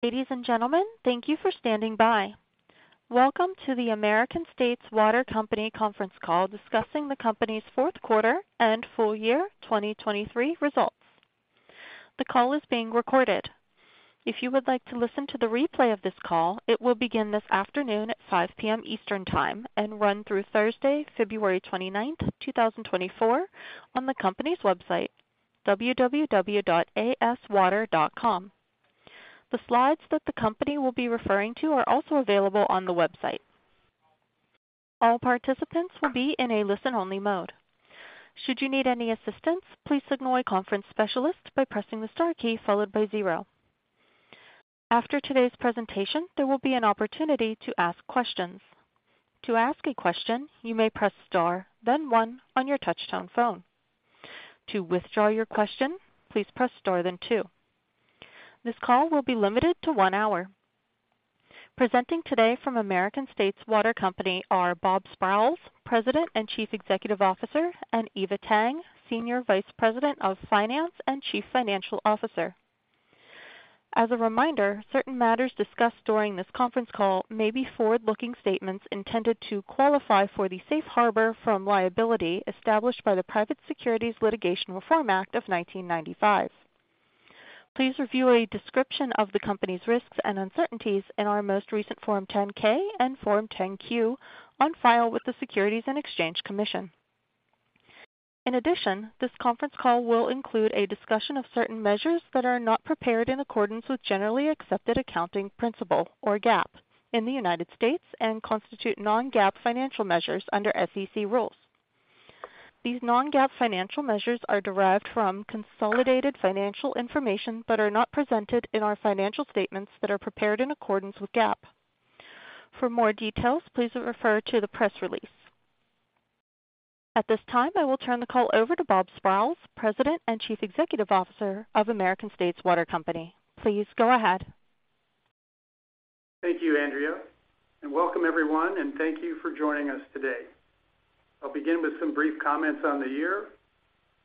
Ladies and gentlemen, thank you for standing by. Welcome to the American States Water Company conference call discussing the company's fourth quarter and full year 2023 results. The call is being recorded. If you would like to listen to the replay of this call, it will begin this afternoon at 5 P.M. Eastern Time and run through Thursday, February 29, 2024, on the company's website, www.aswater.com. The slides that the company will be referring to are also available on the website. All participants will be in a listen-only mode. Should you need any assistance, please signal a conference specialist by pressing the star key followed by zero. After today's presentation, there will be an opportunity to ask questions. To ask a question, you may press star, then one on your touchtone phone. To withdraw your question, please press star, then two. This call will be limited to one hour. Presenting today from American States Water Company are Bob Sprowls, President and Chief Executive Officer, and Eva G. Tang, Senior Vice President of Finance and Chief Financial Officer. As a reminder, certain matters discussed during this conference call may be forward-looking statements intended to qualify for the safe harbor from liability established by the Private Securities Litigation Reform Act of 1995. Please review a description of the company's risks and uncertainties in our most recent Form 10-K and Form 10-Q on file with the Securities and Exchange Commission. In addition, this conference call will include a discussion of certain measures that are not prepared in accordance with generally accepted accounting principles, or GAAP, in the United States and constitute non-GAAP financial measures under SEC rules. These non-GAAP financial measures are derived from consolidated financial information, but are not presented in our financial statements that are prepared in accordance with GAAP. For more details, please refer to the press release. At this time, I will turn the call over to Bob Sprowls, President and Chief Executive Officer of American States Water Company. Please go ahead. Thank you, Andrea, and welcome everyone, and thank you for joining us today. I'll begin with some brief comments on the year.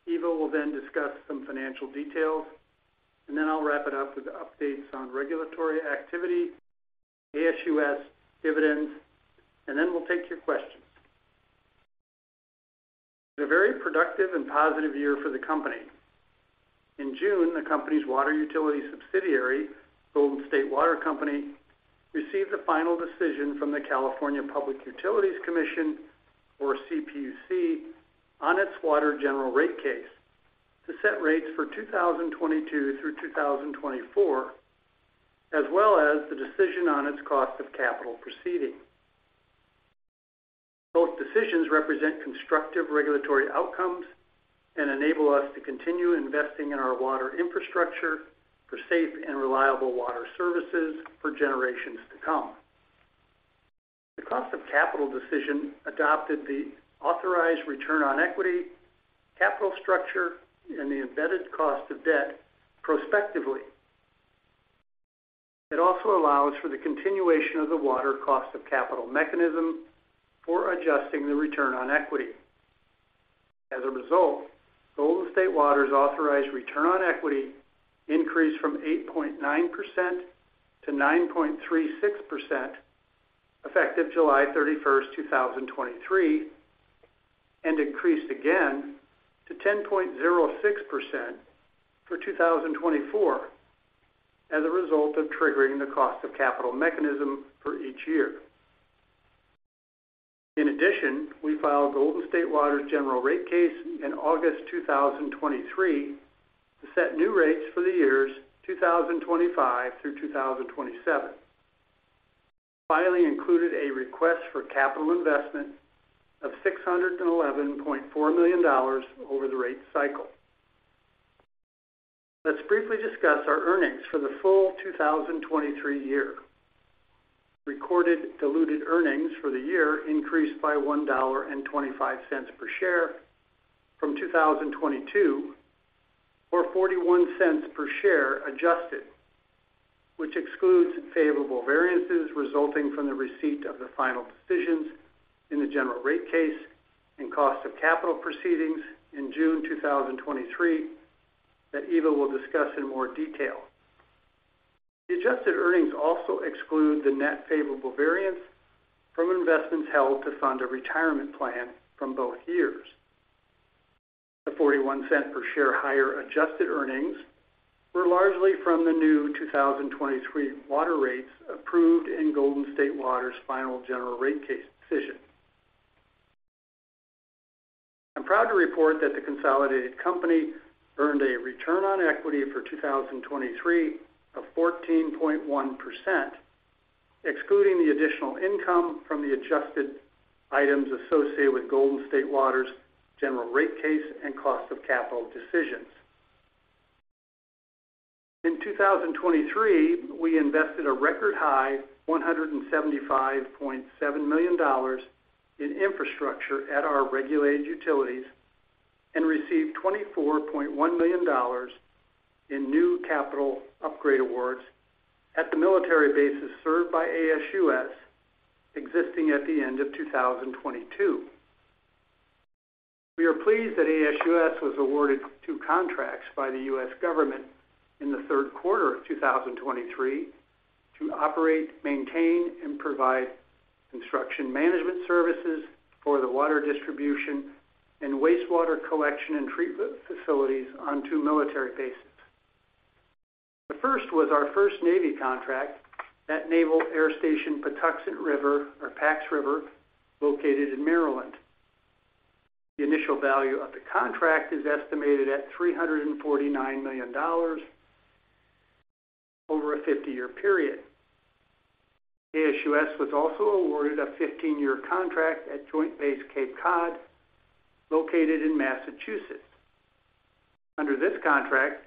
Eva will then discuss some financial details, and then I'll wrap it up with updates on regulatory activity, ASUS dividends, and then we'll take your questions. A very productive and positive year for the company. In June, the company's water utility subsidiary, Golden State Water Company, received the final decision from the California Public Utilities Commission, or CPUC, on its water general rate case to set rates for 2022 through 2024, as well as the decision on its cost of capital proceeding. Both decisions represent constructive regulatory outcomes and enable us to continue investing in our water infrastructure for safe and reliable water services for generations to come. The cost of capital decision adopted the authorized return on equity, capital structure, and the embedded cost of debt prospectively. It also allows for the continuation of the water cost of capital mechanism for adjusting the return on equity. As a result, Golden State Water's authorized return on equity increased from 8.9% to 9.36%, effective July 31, 2023, and increased again to 10.06% for 2024 as a result of triggering the cost of capital mechanism for each year. In addition, we filed Golden State Water's general rate case in August 2023 to set new rates for the years 2025 through 2027. Finally, included a request for capital investment of $611.4 million over the rate cycle. Let's briefly discuss our earnings for the full 2023 year. Recorded diluted earnings for the year increased by $1.25 per share from 2022, or $0.41 per share adjusted, which excludes favorable variances resulting from the receipt of the final decisions in the general rate case and cost of capital proceedings in June 2023, that Eva will discuss in more detail. The adjusted earnings also exclude the net favorable variance from investments held to fund a retirement plan from both years. The $0.41 cents per share higher adjusted earnings were largely from the new 2023 water rates approved in Golden State Water's final general rate case decision. I'm proud to report that the consolidated company earned a return on equity for 2023 of 14.1%, excluding the additional income from the adjusted items associated with Golden State Water's general rate case and cost of capital decisions. In 2023, we invested a record high $175.7 million in infrastructure at our regulated utilities and received $24.1 million in new capital upgrade awards at the military bases served by ASUS, existing at the end of 2022.... We are pleased that ASUS was awarded 2 contracts by the U.S. government in the third quarter of 2023 to operate, maintain, and provide construction management services for the water distribution and wastewater collection and treatment facilities on 2 military bases. The first was our first Navy contract at Naval Air Station Patuxent River, or PAX River, located in Maryland. The initial value of the contract is estimated at $349 million over a 50-year period. ASUS was also awarded a 15-year contract at Joint Base Cape Cod, located in Massachusetts. Under this contract,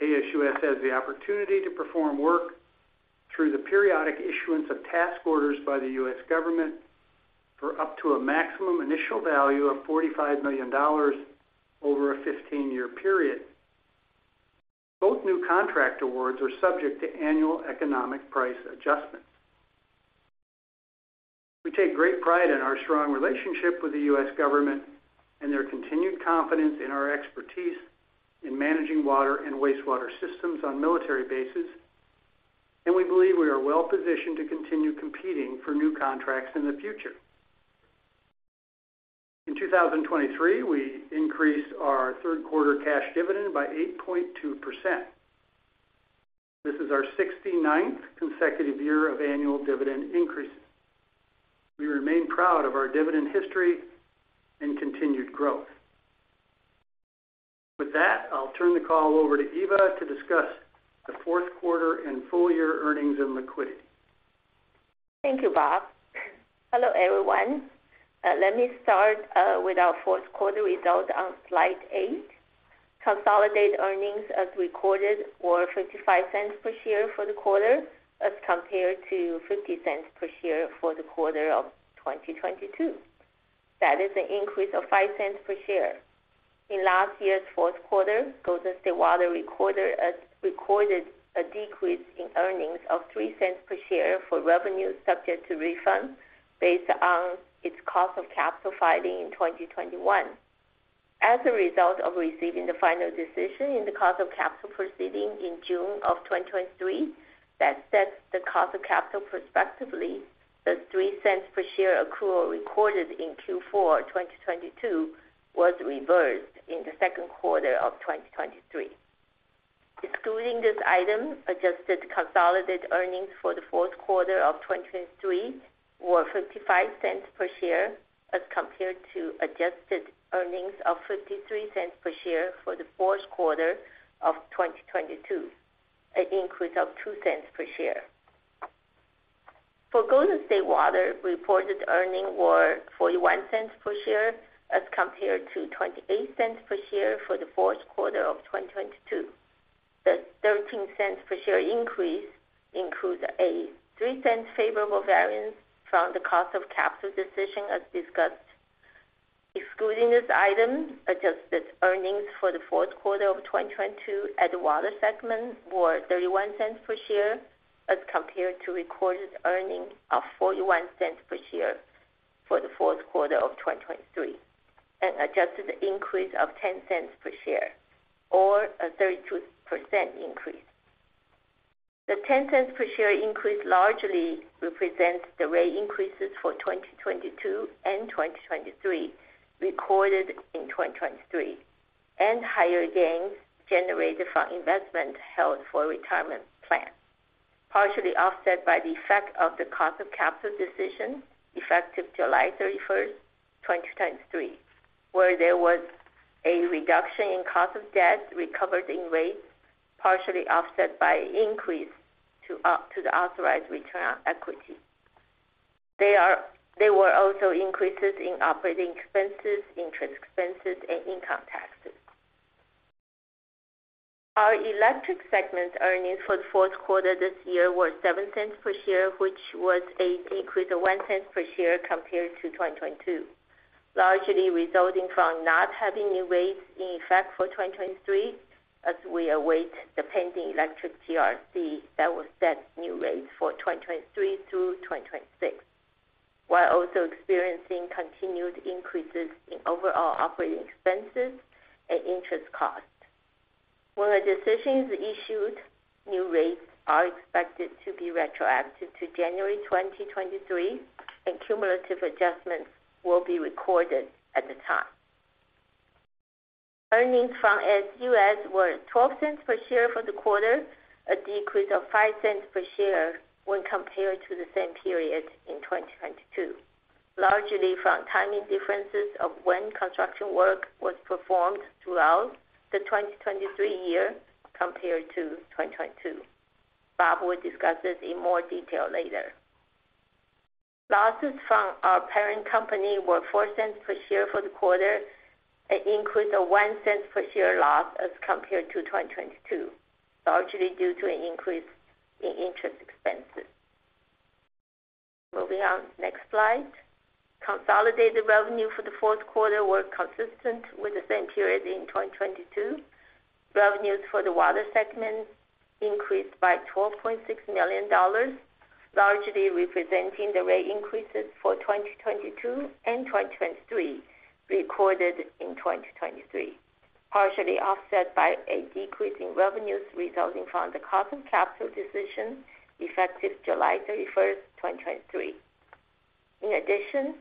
ASUS has the opportunity to perform work through the periodic issuance of task orders by the U.S. government for up to a maximum initial value of $45 million over a 15-year period. Both new contract awards are subject to annual economic price adjustments. We take great pride in our strong relationship with the U.S. government and their continued confidence in our expertise in managing water and wastewater systems on military bases, and we believe we are well-positioned to continue competing for new contracts in the future. In 2023, we increased our third quarter cash dividend by 8.2%. This is our 69th consecutive year of annual dividend increases. We remain proud of our dividend history and continued growth. With that, I'll turn the call over to Eva to discuss the fourth quarter and full year earnings and liquidity. Thank you, Bob. Hello, everyone. Let me start with our fourth quarter results on slide eight. Consolidated earnings as recorded were $0.55 per share for the quarter, as compared to $0.50 per share for the quarter of 2022. That is an increase of $0.05 per share. In last year's fourth quarter, Golden State Water recorded a decrease in earnings of $0.03 per share for revenues subject to refunds based on its cost of capital filing in 2021. As a result of receiving the final decision in the cost of capital proceeding in June of 2023, that sets the cost of capital prospectively, the $0.03 per share accrual recorded in Q4 2022 was reversed in the second quarter of 2023. Excluding this item, adjusted consolidated earnings for the fourth quarter of 2023 were $0.55 per share, as compared to adjusted earnings of $0.53 per share for the fourth quarter of 2022, an increase of $0.02 per share. For Golden State Water, reported earnings were $0.41 per share, as compared to $0.28 per share for the fourth quarter of 2022. The $0.13 per share increase includes a $0.03 favorable variance from the cost of capital decision, as discussed. Excluding this item, adjusted earnings for the fourth quarter of 2022 at the water segment were $0.31 per share, as compared to recorded earnings of $0.41 per share for the fourth quarter of 2023, an adjusted increase of $0.10 per share or a 32% increase. The $0.10 per share increase largely represents the rate increases for 2022 and 2023, recorded in 2023, and higher gains generated from investment held for retirement plan, partially offset by the effect of the cost of capital decision effective July 31, 2023, where there was a reduction in cost of debt recovered in rates, partially offset by increase to the authorized return on equity. There were also increases in operating expenses, interest expenses, and income taxes. Our electric segment earnings for the fourth quarter this year were $0.07 per share, which was an increase of $0.01 per share compared to 2022, largely resulting from not having new rates in effect for 2023, as we await the pending electric GRC that will set new rates for 2023 through 2026, while also experiencing continued increases in overall operating expenses and interest costs. When a decision is issued, new rates are expected to be retroactive to January 2023, and cumulative adjustments will be recorded at the time. Earnings from ASUS were $0.12 per share for the quarter, a decrease of $0.05 per share when compared to the same period in 2022, largely from timing differences of when construction work was performed throughout the 2023 year compared to 2022. Bob will discuss this in more detail later. Losses from our parent company were $0.04 per share for the quarter, an increase of $0.01 per share loss as compared to 2022, largely due to an increase in interest expenses. Moving on to the next slide. Consolidated revenue for the fourth quarter were consistent with the same period in 2022. Revenues for the water segment increased by $12.6 million, largely representing the rate increases for 2022 and 2023, recorded in 2023, partially offset by a decrease in revenues resulting from the cost of capital decision effective July 31st, 2023. In addition,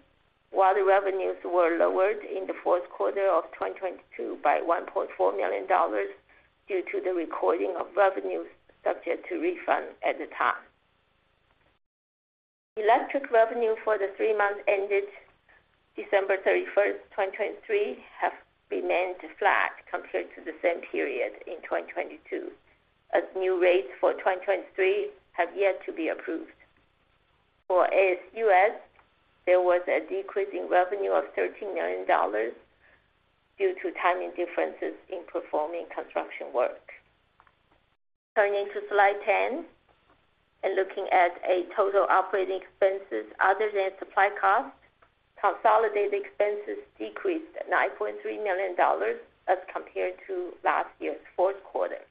water revenues were lowered in the fourth quarter of 2022 by $1.4 million due to the recording of revenues subject to refund at the time. Electric revenue for the three months ended December 31, 2023, have remained flat compared to the same period in 2022, as new rates for 2023 have yet to be approved. For ASUS, there was a decrease in revenue of $13 million due to timing differences in performing construction work. Turning to Slide 10, and looking at a total operating expenses other than supply costs, consolidated expenses decreased $9.3 million as compared to last year's fourth quarter.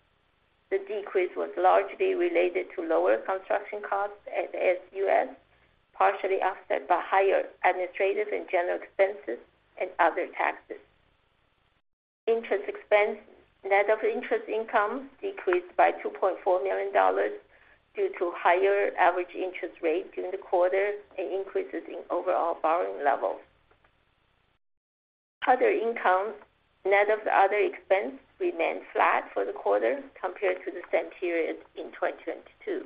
The decrease was largely related to lower construction costs at ASUS, partially offset by higher administrative and general expenses and other taxes. Interest expense, net of interest income, decreased by $2.4 million due to higher average interest rates in the quarter and increases in overall borrowing levels. Other income, net of other expense, remained flat for the quarter compared to the same period in 2022.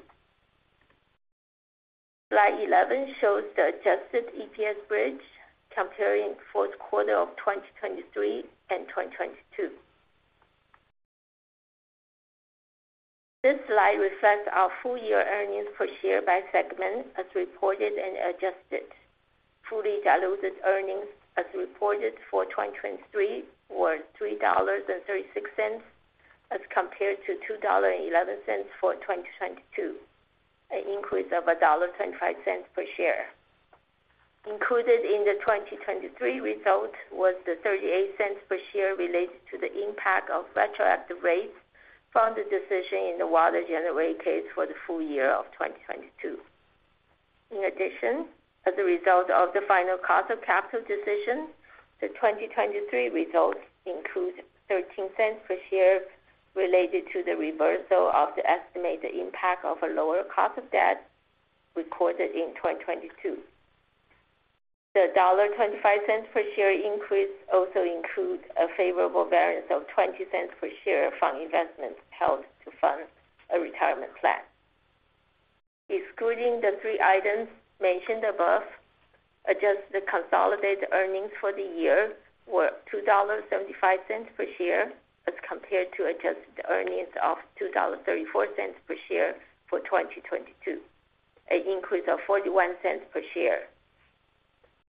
Slide 11 shows the adjusted EPS bridge comparing fourth quarter of 2023 and 2022. This slide reflects our full year earnings per share by segment, as reported and adjusted. Fully diluted earnings, as reported for 2023, were $3.36, as compared to $2.11 for 2022, an increase of $1.25 per share. Included in the 2023 result was the $0.38 per share related to the impact of retroactive rates from the decision in the water general rate case for the full year of 2022. In addition, as a result of the final cost of capital decision, the 2023 results include $0.13 per share related to the reversal of the estimated impact of a lower cost of debt recorded in 2022. The $1.25 per share increase also include a favorable variance of $0.20 per share from investments held to fund a retirement plan. Excluding the three items mentioned above, adjusted consolidated earnings for the year were $2.75 per share, as compared to adjusted earnings of $2.34 per share for 2022, an increase of $0.41 per share.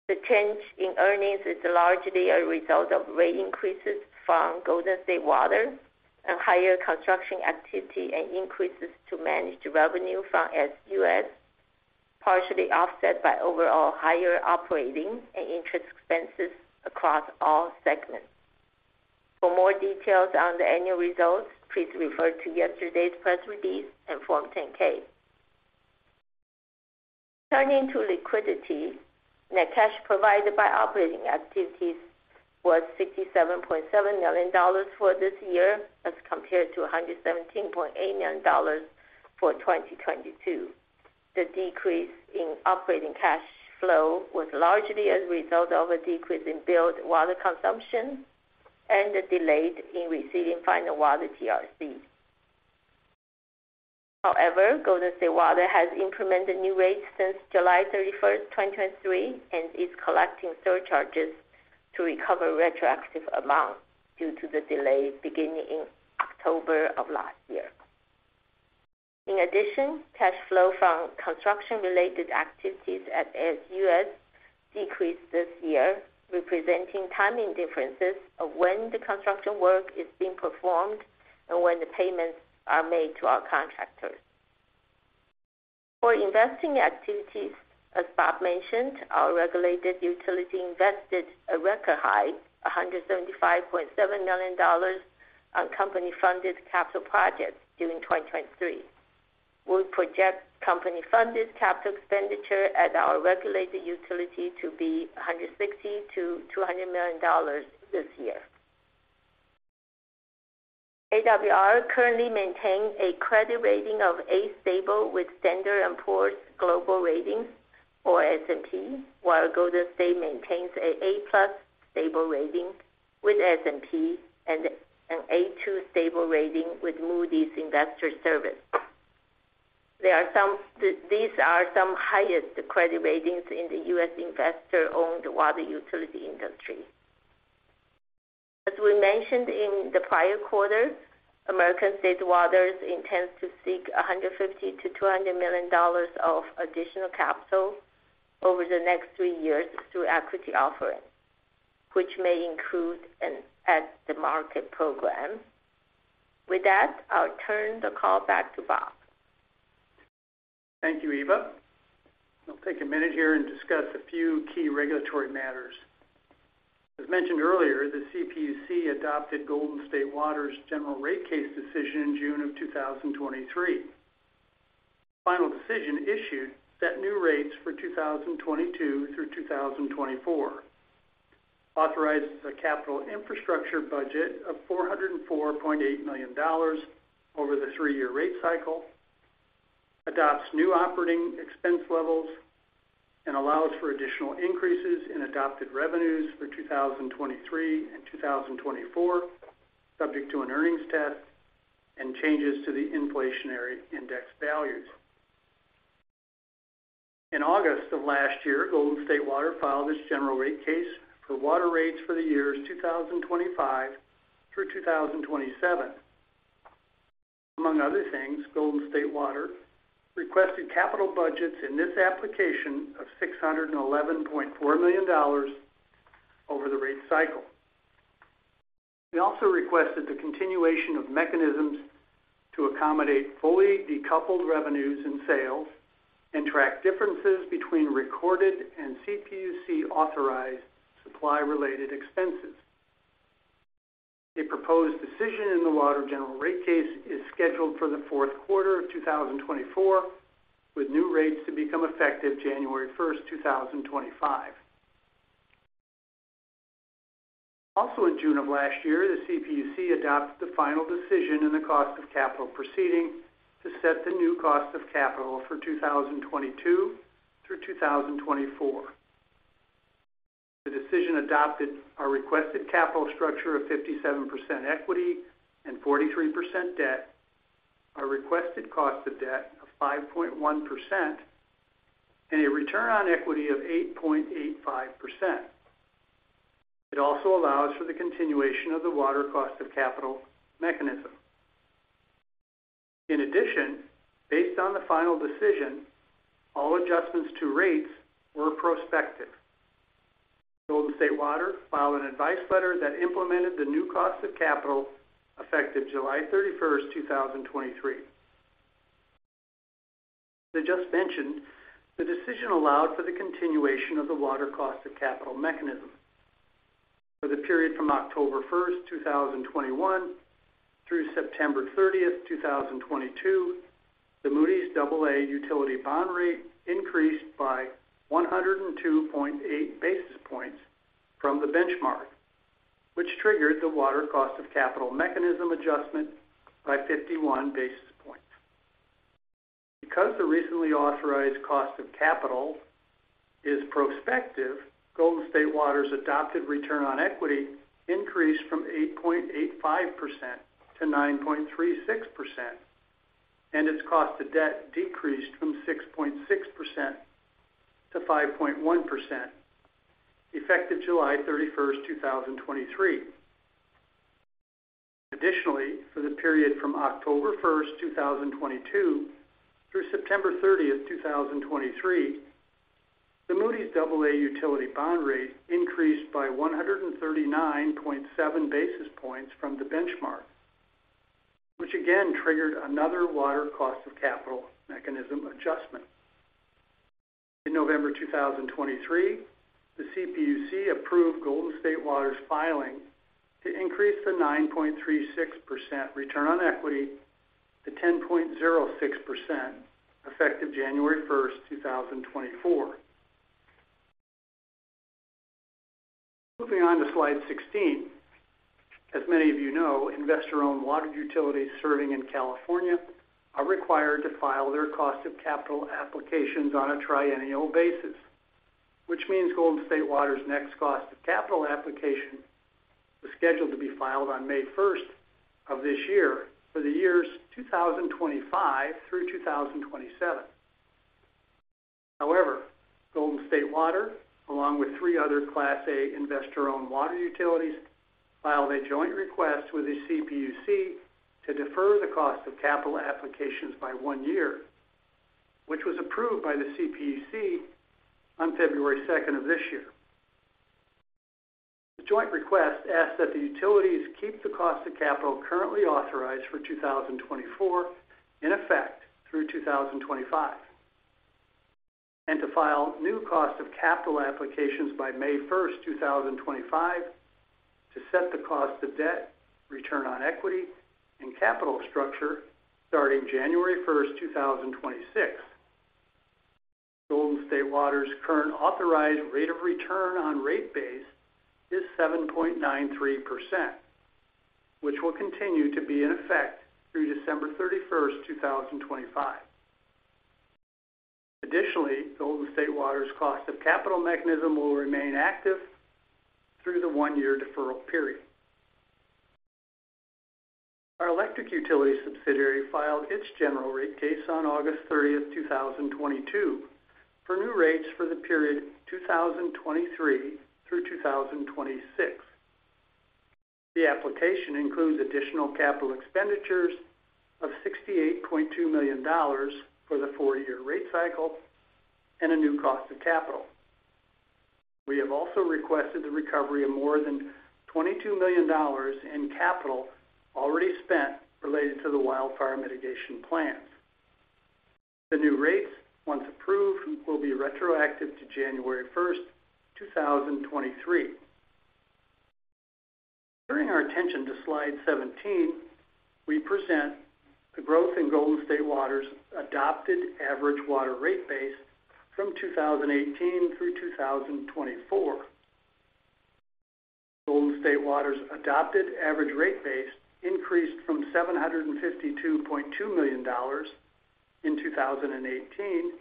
The change in earnings is largely a result of rate increases from Golden State Water and higher construction activity and increases to managed revenue from ASUS, partially offset by overall higher operating and interest expenses across all segments. For more details on the annual results, please refer to yesterday's press release and Form 10-K. Turning to liquidity, net cash provided by operating activities was $67.7 million for this year, as compared to $117.8 million for 2022. The decrease in operating cash flow was largely as a result of a decrease in billed water consumption and the delay in receiving final water GRCs. However, Golden State Water has implemented new rates since July 31, 2023, and is collecting surcharges to recover retroactive amounts due to the delay beginning in October of last year. In addition, cash flow from construction-related activities at ASUS decreased this year, representing timing differences of when the construction work is being performed and when the payments are made to our contractors. For investing activities, as Bob mentioned, our regulated utility invested a record high, $175.7 million on company-funded capital projects during 2023. We project company-funded capital expenditure at our regulated utility to be $160-$200 million this year. AWR currently maintains a credit rating of A, stable with S&P Global Ratings, or S&P, while Golden State maintains an A+ stable rating with S&P and an A2 stable rating with Moody's Investors Service. These are some highest credit ratings in the U.S. investor-owned water utility industry. As we mentioned in the prior quarter, American States Water intends to seek $150-$200 million of additional capital over the next three years through equity offerings, which may include an at-the-market program. With that, I'll turn the call back to Bob.... Thank you, Eva. I'll take a minute here and discuss a few key regulatory matters. As mentioned earlier, the CPUC adopted Golden State Water's general rate case decision in June 2023. The final decision issued set new rates for 2022 through 2024, authorizes a capital infrastructure budget of $404.8 million over the three-year rate cycle, adopts new operating expense levels, and allows for additional increases in adopted revenues for 2023 and 2024, subject to an earnings test and changes to the inflationary index values. In August of last year, Golden State Water filed its general rate case for water rates for the years 2025 through 2027. Among other things, Golden State Water requested capital budgets in this application of $611.4 million over the rate cycle. We also requested the continuation of mechanisms to accommodate fully decoupled revenues and sales and track differences between recorded and CPUC-authorized supply-related expenses. A proposed decision in the water general rate case is scheduled for the fourth quarter of 2024, with new rates to become effective January 1, 2025. Also, in June of last year, the CPUC adopted the final decision in the cost of capital proceeding to set the new cost of capital for 2022 through 2024. The decision adopted our requested capital structure of 57% equity and 43% debt, our requested cost of debt of 5.1%, and a return on equity of 8.85%. It also allows for the continuation of the water cost of capital mechanism. In addition, based on the final decision, all adjustments to rates were prospective. Golden State Water filed an advice letter that implemented the new cost of capital, effective July 31, 2023. As I just mentioned, the decision allowed for the continuation of the water cost of capital mechanism. For the period from October 1, 2021, through September 30, 2022, the Moody's Aa utility bond rate increased by 102.8 basis points from the benchmark, which triggered the water cost of capital mechanism adjustment by 51 basis points. Because the recently authorized cost of capital is prospective, Golden State Water's adopted return on equity increased from 8.85% to 9.36%, and its cost of debt decreased from 6.6% to 5.1%, effective July 31, 2023. Additionally, for the period from October 1, 2022, through September 30, 2023, the Moody's Aa utility bond rate increased by 139.7 basis points from the benchmark, which again triggered another water cost of capital mechanism adjustment. In November 2023, the CPUC approved Golden State Water's filing to increase the 9.36% return on equity to 10.06%, effective January 1, 2024. Moving on to slide 16. As many of you know, investor-owned water utilities serving in California are required to file their cost of capital applications on a triennial basis, which means Golden State Water's next cost of capital application was scheduled to be filed on May first of this year for the years 2025 through 2027. However, Golden State Water, along with 3 other Class A investor-owned water utilities, filed a joint request with the CPUC to defer the cost of capital applications by 1 year, which was approved by the CPUC on February second of this year. The joint request asked that the utilities keep the cost of capital currently authorized for 2024 in effect through 2025, and to file new cost of capital applications by May 1, 2025, to set the cost of debt, return on equity, and capital structure starting January 1, 2026. Golden State Water's current authorized rate of return on rate base is 7.93%, which will continue to be in effect through December 31, 2025. Additionally, Golden State Water's cost of capital mechanism will remain active through the 1-year deferral period. Our electric utility subsidiary filed its general rate case on August 30, 2022, for new rates for the period 2023 through 2026. The application includes additional capital expenditures of $68.2 million for the four-year rate cycle and a new cost of capital. We have also requested the recovery of more than $22 million in capital already spent related to the wildfire mitigation plans. The new rates, once approved, will be retroactive to January 1, 2023. Turning our attention to slide 17, we present the growth in Golden State Water's adopted average water rate base from 2018 through 2024. Golden State Water's adopted average rate base increased from $752.2 million in 2018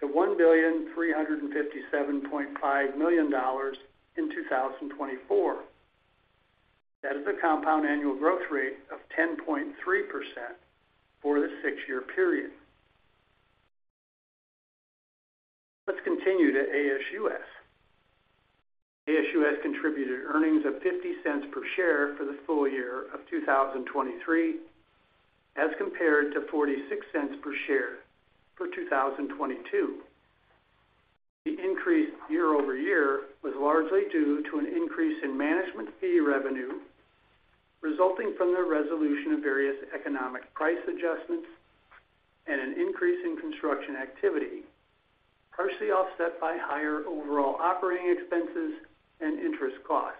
to $1,357.5 million in 2024. That is a compound annual growth rate of 10.3% for the six-year period. Let's continue to ASUS. ASUS contributed earnings of $0.50 per share for the full year of 2023, as compared to $0.46 per share for 2022. The increase year-over-year was largely due to an increase in management fee revenue, resulting from the resolution of various economic price adjustments and an increase in construction activity, partially offset by higher overall operating expenses and interest costs.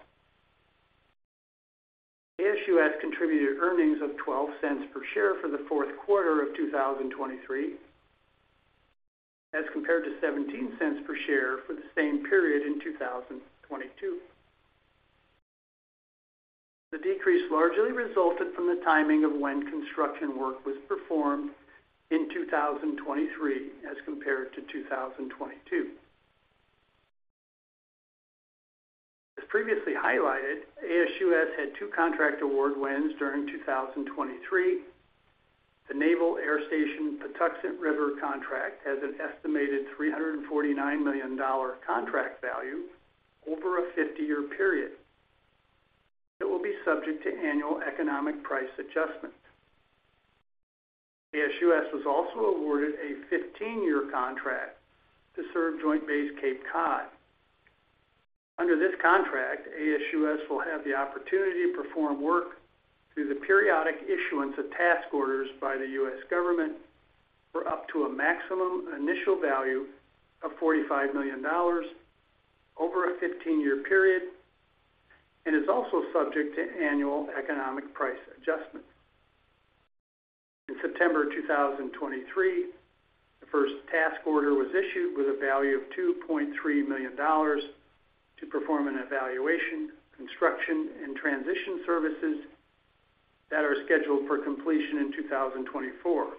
ASUS contributed earnings of $0.12 per share for the fourth quarter of 2023, as compared to $0.17 per share for the same period in 2022. The decrease largely resulted from the timing of when construction work was performed in 2023 as compared to 2022. As previously highlighted, ASUS had 2 contract award wins during 2023. The Naval Air Station Patuxent River contract has an estimated $349 million contract value over a 50-year period. It will be subject to annual economic price adjustments. ASUS was also awarded a 15-year contract to serve Joint Base Cape Cod. Under this contract, ASUS will have the opportunity to perform work through the periodic issuance of task orders by the U.S. government for up to a maximum initial value of $45 million over a 15-year period, and is also subject to annual economic price adjustments. In September 2023, the first task order was issued with a value of $2.3 million to perform an evaluation, construction and transition services that are scheduled for completion in 2024. As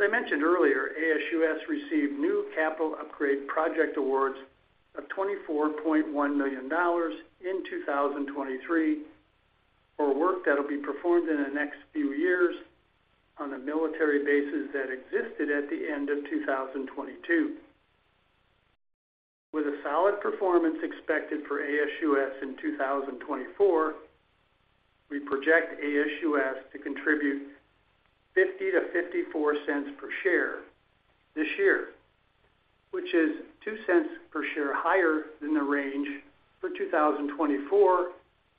I mentioned earlier, ASUS received new capital upgrade project awards of $24.1 million in 2023 for work that'll be performed in the next few years on the military bases that existed at the end of 2022. With a solid performance expected for ASUS in 2024, we project ASUS to contribute $0.50-$0.54 per share this year, which is $0.02 per share higher than the range for 2024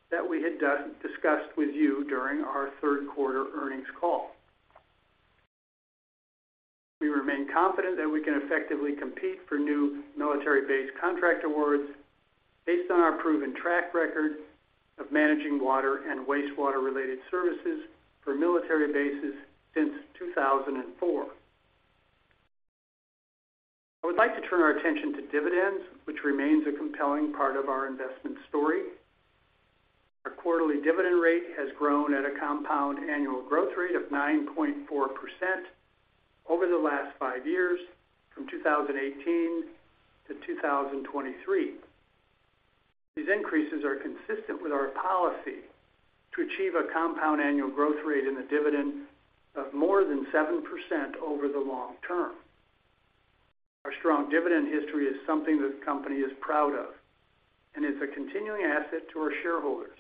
that we had discussed with you during our third quarter earnings call. We remain confident that we can effectively compete for new military base contract awards based on our proven track record of managing water and wastewater-related services for military bases since 2004. I would like to turn our attention to dividends, which remains a compelling part of our investment story. Our quarterly dividend rate has grown at a compound annual growth rate of 9.4% over the last five years, from 2018 to 2023. These increases are consistent with our policy to achieve a compound annual growth rate in the dividend of more than 7% over the long term. Our strong dividend history is something this company is proud of and is a continuing asset to our shareholders.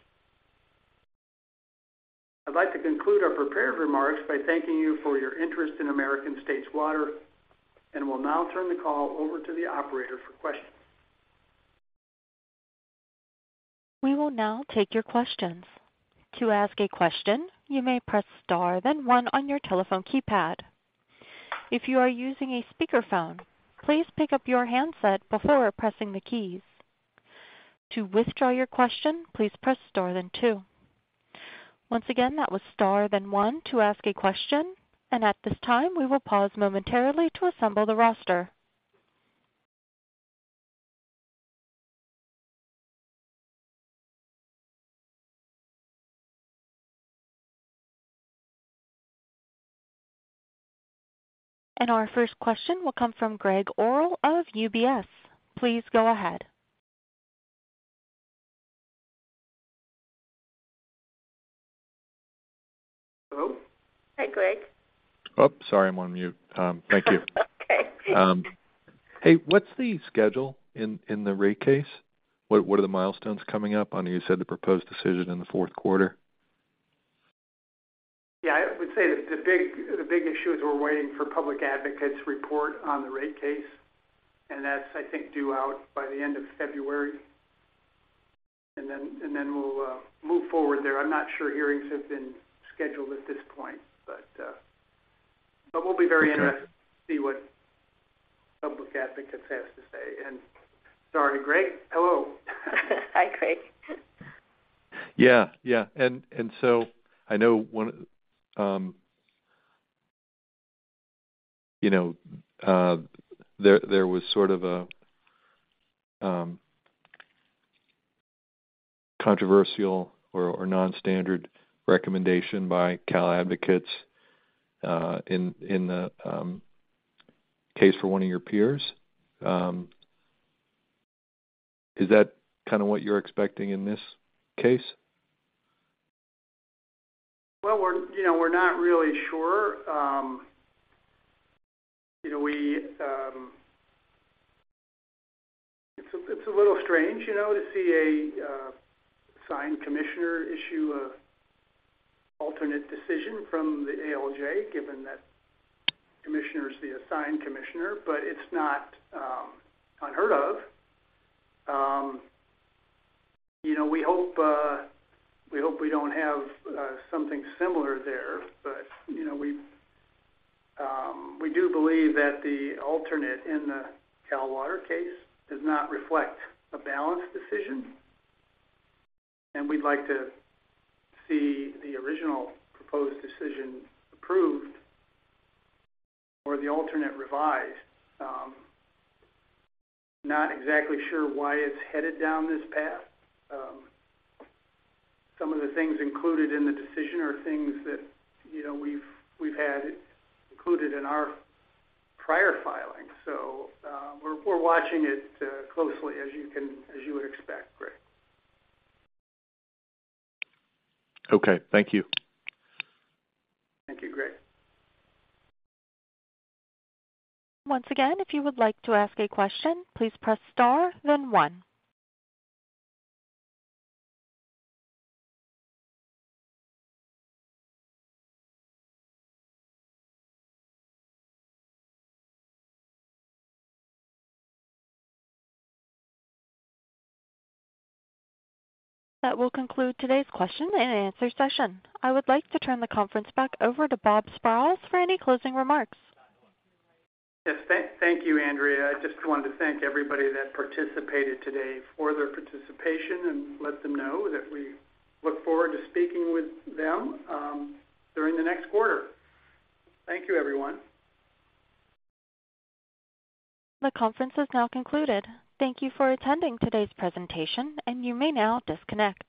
I'd like to conclude our prepared remarks by thanking you for your interest in American States Water, and will now turn the call over to the operator for questions. We will now take your questions. To ask a question, you may press star, then one on your telephone keypad. If you are using a speakerphone, please pick up your handset before pressing the keys. To withdraw your question, please press star, then two. Once again, that was star, then one to ask a question. At this time, we will pause momentarily to assemble the roster. Our first question will come from Gregg Orrill of UBS. Please go ahead. Hello? Hi, Gregg. Oh, sorry, I'm on mute. Thank you. Okay. Hey, what's the schedule in the rate case? What are the milestones coming up? I know you said the proposed decision in the fourth quarter. Yeah, I would say that the big, the big issue is we're waiting for Public Advocates report on the rate case, and that's, I think, due out by the end of February, and then, and then we'll move forward there. I'm not sure hearings have been scheduled at this point, but, but we'll be very interested- Okay. to see what Public Advocates have to say. Sorry, Gregg, hello. Hi, Gregg. Yeah, yeah. And so I know one of you know there was sort of a controversial or non-standard recommendation by Cal Advocates in the case for one of your peers. Is that kind of what you're expecting in this case? Well, we're, you know, we're not really sure. You know, it's a little strange, you know, to see an assigned commissioner issue an alternate decision from the ALJ, given that commissioner is the assigned commissioner, but it's not unheard of. You know, we hope we don't have something similar there, but, you know, we do believe that the alternate in the Cal Water case does not reflect a balanced decision, and we'd like to see the original proposed decision approved or the alternate revised. Not exactly sure why it's headed down this path. Some of the things included in the decision are things that, you know, we've had included in our prior filings, so we're watching it closely, as you would expect, Gregg. Okay, thank you. Thank you, Gregg. Once again, if you would like to ask a question, please press Star then one. That will conclude today's question and answer session. I would like to turn the conference back over to Bob Sprowls for any closing remarks. Yes, thank you, Andrea. I just wanted to thank everybody that participated today for their participation, and let them know that we look forward to speaking with them during the next quarter. Thank you, everyone. The conference is now concluded. Thank you for attending today's presentation, and you may now disconnect.